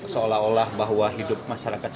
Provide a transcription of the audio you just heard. seolah olah bahwa hidup masyarakat semakin keras